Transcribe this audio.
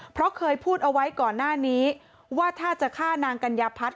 เพราะเคยพูดเอาไว้ก่อนหน้านี้ว่าถ้าจะฆ่านางกัญญาพัฒน